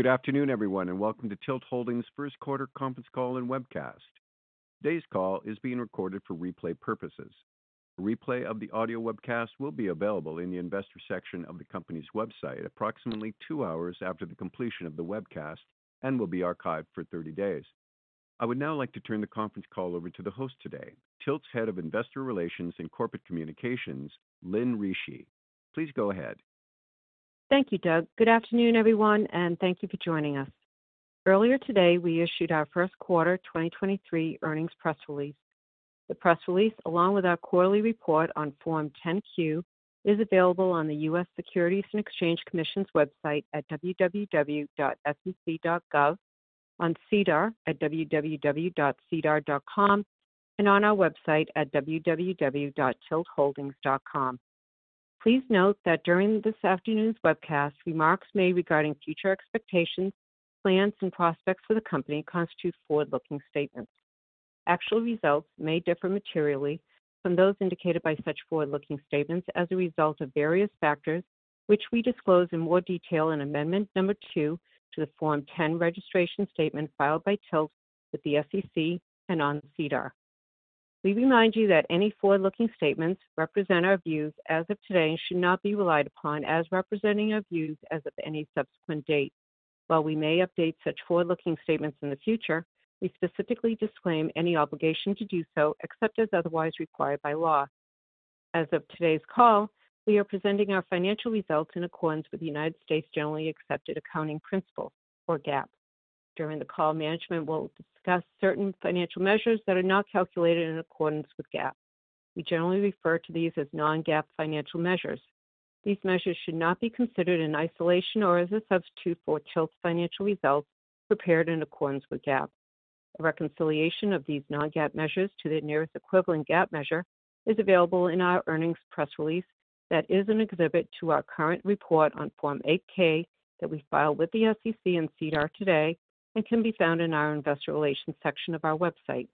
Good afternoon, everyone, and welcome to TILT Holdings first quarter conference call and webcast. Today's call is being recorded for replay purposes. A replay of the audio webcast will be available in the investor section of the company's website approximately two hours after the completion of the webcast and will be archived for 30 days. I would now like to turn the conference call over to the host today, TILT's Head of Investor Relations and Corporate Communications, Lynn Ricci. Please go ahead. Thank you, Doug. Good afternoon, everyone, and thank you for joining us. Earlier today, we issued our first quarter 2023 earnings press release. The press release, along with our quarterly report on Form 10-Q, is available on the U.S. Securities and Exchange Commission's website at www.sec.gov, on SEDAR at www.sedar.com, and on our website at www.tiltholdings.com. Please note that during this afternoon's webcast, remarks made regarding future expectations, plans, and prospects for the company constitute forward-looking statements. Actual results may differ materially from those indicated by such forward-looking statements as a result of various factors, which we disclose in more detail in Amendment Number two to the Form 10 registration statement filed by TILT with the SEC and on SEDAR. We remind you that any forward-looking statements represent our views as of today and should not be relied upon as representing our views as of any subsequent date. While we may update such forward-looking statements in the future, we specifically disclaim any obligation to do so except as otherwise required by law. As of today's call, we are presenting our financial results in accordance with the United States generally accepted accounting principles or GAAP. During the call, management will discuss certain financial measures that are not calculated in accordance with GAAP. We generally refer to these as non-GAAP financial measures. These measures should not be considered in isolation or as a substitute for TILT's financial results prepared in accordance with GAAP. A reconciliation of these non-GAAP measures to the nearest equivalent GAAP measure is available in our earnings press release that is an exhibit to our current report on Form 8-K that we filed with the SEC and SEDAR today and can be found in our investor relations section of our website.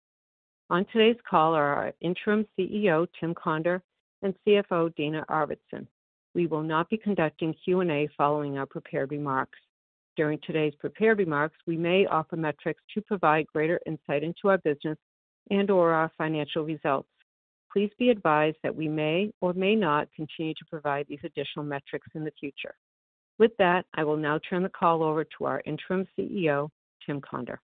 On today's call are our interim CEO, Tim Conder, and CFO, Dana Arvidson. We will not be conducting Q&A following our prepared remarks. During today's prepared remarks, we may offer metrics to provide greater insight into our business and/or our financial results. Please be advised that we may or may not continue to provide these additional metrics in the future. With that, I will now turn the call over to our interim CEO, Tim Conder.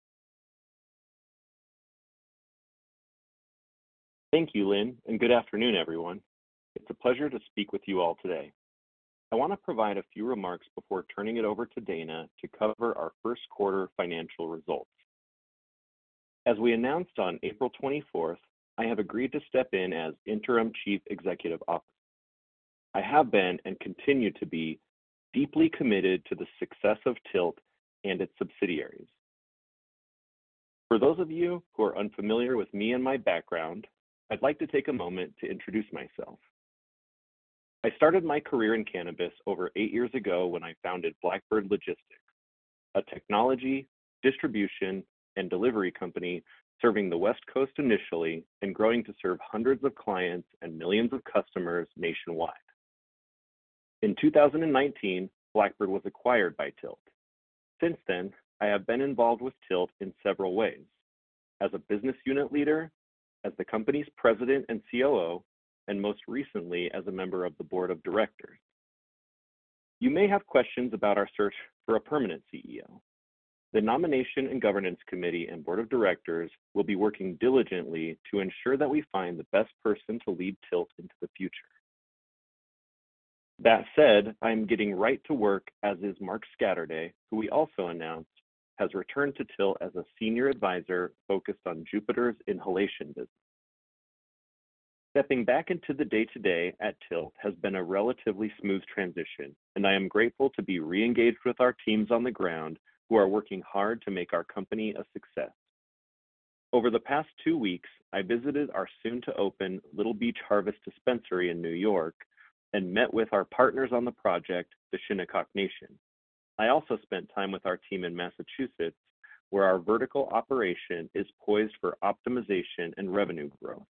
Thank you, Lynn. Good afternoon, everyone. It's a pleasure to speak with you all today. I want to provide a few remarks before turning it over to Dana to cover our first quarter financial results. As we announced on April 24th, I have agreed to step in as Interim Chief Executive Officer. I have been, and continue to be, deeply committed to the success of TILT and its subsidiaries. For those of you who are unfamiliar with me and my background, I'd like to take a moment to introduce myself. I started my career in cannabis over 8 years ago when I founded Blackbird Logistics, a technology, distribution, and delivery company serving the West Coast initially and growing to serve hundreds of clients and millions of customers nationwide. In 2019, Blackbird was acquired by TILT. Since then, I have been involved with TILT in several ways: as a business unit leader, as the company's president and COO, and most recently, as a member of the board of directors. You may have questions about our search for a permanent CEO. The Nomination and Governance Committee and board of directors will be working diligently to ensure that we find the best person to lead TILT into the future. That said, I am getting right to work, as is Mark Scatterday, who we also announced has returned to TILT as a Senior Advisor focused on Jupiter's inhalation business. Stepping back into the day-to-day at TILT has been a relatively smooth transition, and I am grateful to be re-engaged with our teams on the ground who are working hard to make our company a success. Over the past two weeks, I visited our soon-to-open Little Beach Harvest dispensary in New York and met with our partners on the project, the Shinnecock Nation. I also spent time with our team in Massachusetts, where our vertical operation is poised for optimization and revenue growth.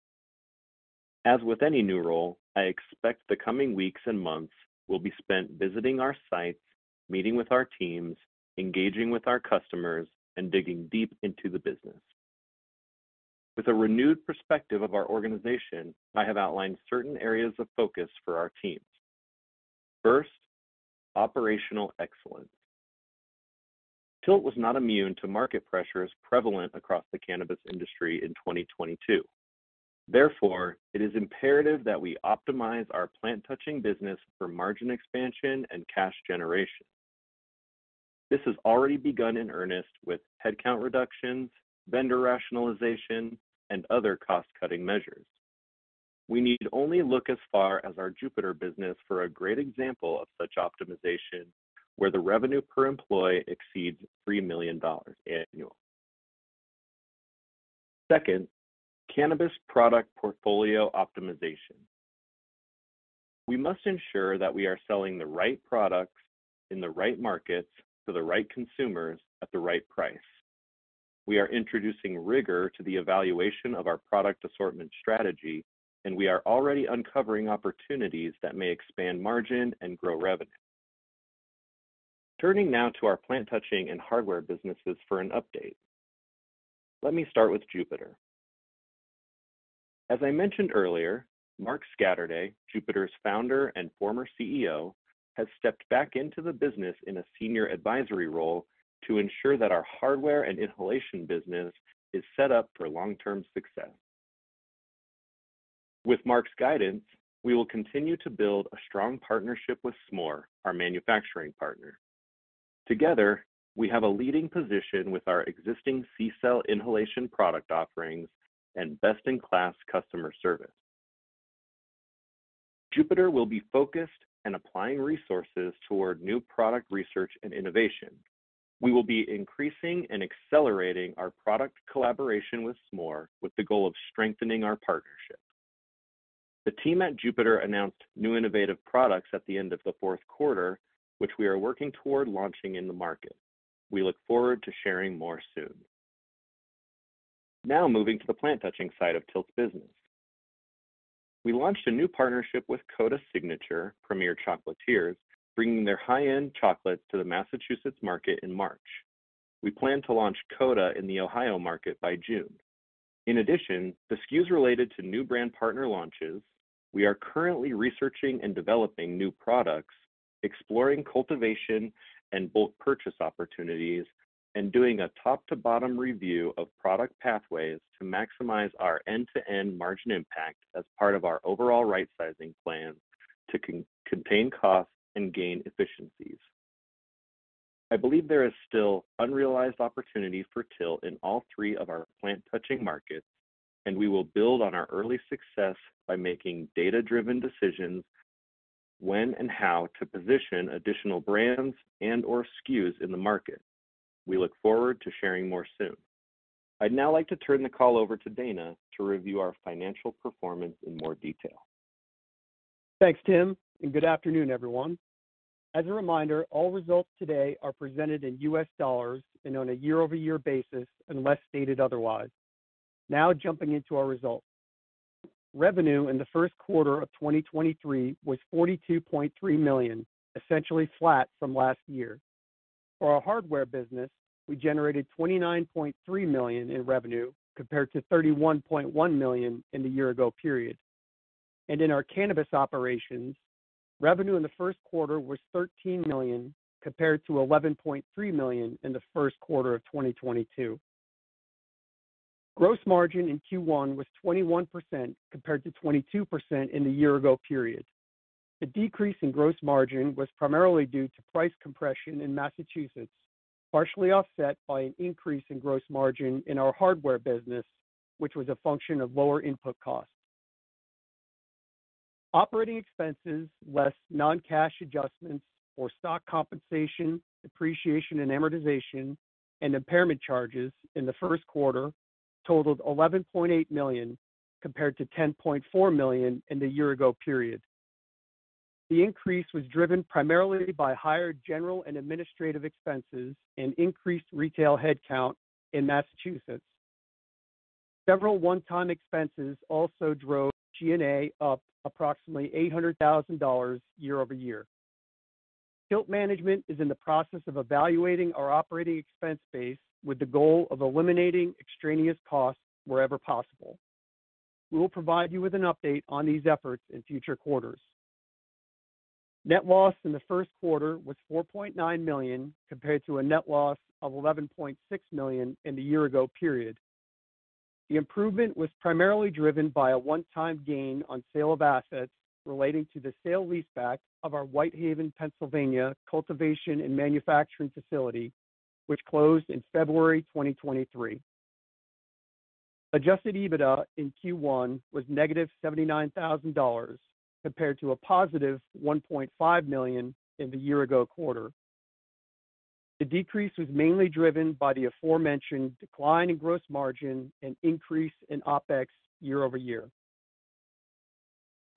As with any new role, I expect the coming weeks and months will be spent visiting our sites, meeting with our teams, engaging with our customers, and digging deep into the business. With a renewed perspective of our organization, I have outlined certain areas of focus for our teams. First, operational excellence. TILT was not immune to market pressures prevalent across the cannabis industry in 2022. Therefore, it is imperative that we optimize our plant-touching business for margin expansion and cash generation. This has already begun in earnest with headcount reductions, vendor rationalization, and other cost-cutting measures. We need only look as far as our Jupiter business for a great example of such optimization, where the revenue per employee exceeds $3 million annually. Second, cannabis product portfolio optimization. We must ensure that we are selling the right products in the right markets to the right consumers at the right price. We are introducing rigor to the evaluation of our product assortment strategy, and we are already uncovering opportunities that may expand margin and grow revenue. Turning now to our plant touching and hardware businesses for an update. Let me start with Jupiter. As I mentioned earlier, Mark Scatterday, Jupiter's founder and former CEO, has stepped back into the business in a senior advisory role to ensure that our hardware and inhalation business is set up for long-term success. With Mark's guidance, we will continue to build a strong partnership with Smoore, our manufacturing partner. Together, we have a leading position with our existing CCELL inhalation product offerings and best-in-class customer service. Jupiter will be focused and applying resources toward new product research and innovation. We will be increasing and accelerating our product collaboration with Smoore with the goal of strengthening our partnership. The team at Jupiter announced new innovative products at the end of the fourth quarter, which we are working toward launching in the market. We look forward to sharing more soon. Now moving to the plant touching side of TILT's business. We launched a new partnership with Coda Signature, premier chocolatiers, bringing their high-end chocolates to the Massachusetts market in March. We plan to launch Coda in the Ohio market by June. In addition to SKUs related to new brand partner launches, we are currently researching and developing new products, exploring cultivation and bulk purchase opportunities, and doing a top-to-bottom review of product pathways to maximize our end-to-end margin impact as part of our overall rightsizing plan to contain costs and gain efficiencies. I believe there is still unrealized opportunities for TILT in all three of our plant touching markets, and we will build on our early success by making data-driven decisions when and how to position additional brands and/or SKUs in the market. We look forward to sharing more soon. I'd now like to turn the call over to Dana to review our financial performance in more detail. Thanks, Tim, and good afternoon, everyone. As a reminder, all results today are presented in U.S. dollars and on a year-over-year basis, unless stated otherwise. Now jumping into our results. Revenue in the first quarter of 2023 was $42.3 million, essentially flat from last year. For our hardware business, we generated $29.3 million in revenue, compared to $31.1 million in the year-ago period. In our cannabis operations, revenue in the first quarter was $13 million, compared to $11.3 million in the first quarter of 2022. Gross margin in Q1 was 21%, compared to 22% in the year-ago period. The decrease in gross margin was primarily due to price compression in Massachusetts, partially offset by an increase in gross margin in our hardware business, which was a function of lower input costs. Operating expenses less non-cash adjustments for stock compensation, depreciation and amortization, and impairment charges in the first quarter totaled $11.8 million, compared to $10.4 million in the year-ago period. The increase was driven primarily by higher general and administrative expenses and increased retail headcount in Massachusetts. Several one-time expenses also drove G&A up approximately $800,000 year-over-year. TILT management is in the process of evaluating our operating expense base with the goal of eliminating extraneous costs wherever possible. We will provide you with an update on these efforts in future quarters. Net loss in the first quarter was $4.9 million, compared to a net loss of $11.6 million in the year-ago period. The improvement was primarily driven by a one-time gain on sale of assets relating to the sale-leaseback of our White Haven, Pennsylvania, cultivation and manufacturing facility, which closed in February 2023. Adjusted EBITDA in Q1 was negative $79,000, compared to a positive $1.5 million in the year-ago quarter. The decrease was mainly driven by the aforementioned decline in gross margin and increase in OpEx year-over-year.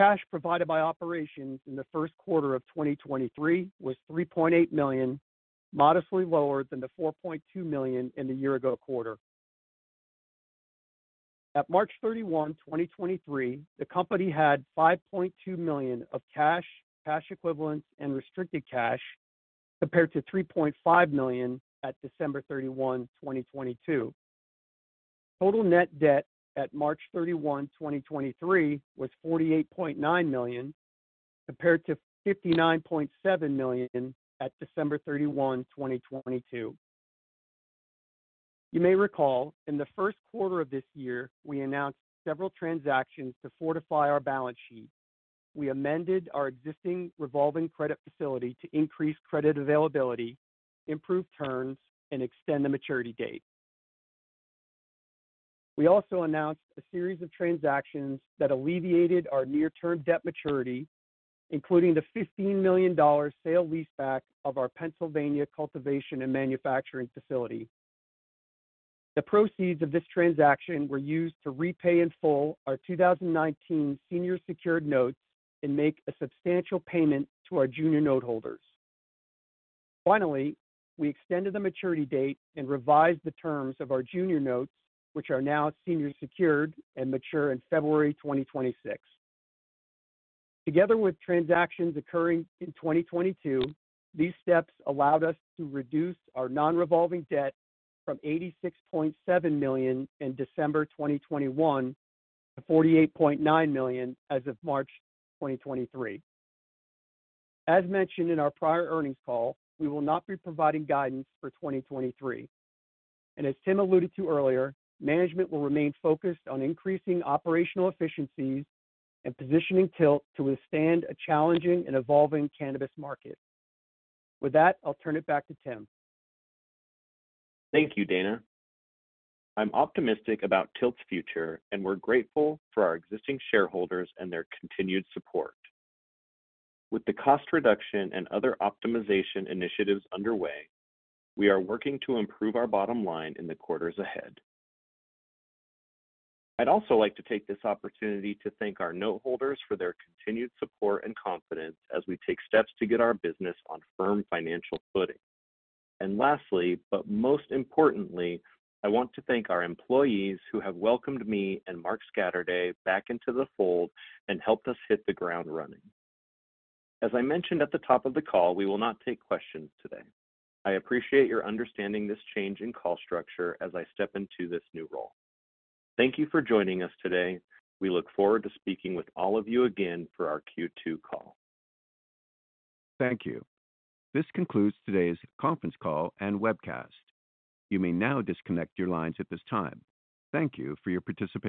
Cash provided by operations in the first quarter of 2023 was $3.8 million, modestly lower than the $4.2 million in the year-ago quarter. At March 31, 2023, the company had $5.2 million of cash equivalents, and restricted cash, compared to $3.5 million at December 31, 2022. Total net debt at March 31, 2023, was $48.9 million, compared to $59.7 million at December 31, 2022. You may recall, in the first quarter of this year, we announced several transactions to fortify our balance sheet. We amended our existing revolving credit facility to increase credit availability, improve terms, and extend the maturity date. We also announced a series of transactions that alleviated our near-term debt maturity, including the $15 million sale-leaseback of our Pennsylvania cultivation and manufacturing facility. The proceeds of this transaction were used to repay in full our 2019 senior secured notes and make a substantial payment to our junior note holders. We extended the maturity date and revised the terms of our junior notes, which are now senior secured and mature in February 2026. Together with transactions occurring in 2022, these steps allowed us to reduce our non-revolving debt from $86.7 million in December 2021 to $48.9 million as of March 2023. As mentioned in our prior earnings call, we will not be providing guidance for 2023. As Tim alluded to earlier, management will remain focused on increasing operational efficiencies and positioning TILT to withstand a challenging and evolving cannabis market. With that, I'll turn it back to Tim. Thank you, Dana. I'm optimistic about TILT's future, and we're grateful for our existing shareholders and their continued support. With the cost reduction and other optimization initiatives underway, we are working to improve our bottom line in the quarters ahead. I'd also like to take this opportunity to thank our note holders for their continued support and confidence as we take steps to get our business on firm financial footing. Lastly, but most importantly, I want to thank our employees who have welcomed me and Mark Scatterday back into the fold and helped us hit the ground running. As I mentioned at the top of the call, we will not take questions today. I appreciate your understanding this change in call structure as I step into this new role. Thank you for joining us today. We look forward to speaking with all of you again for our Q2 call. Thank you. This concludes today's conference call and webcast. You may now disconnect your lines at this time. Thank you for your participation.